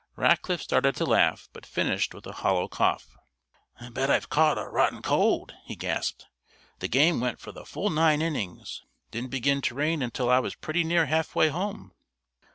Rackliff started to laugh, but finished with a hollow cough. "Bet I've caught a rotten cold," he gasped. "The game went for the full nine innings. Didn't begin to rain until I was pretty near halfway home."